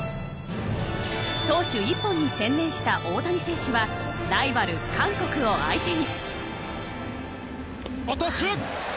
投手一本に専念した大谷選手はライバル韓国を相手に。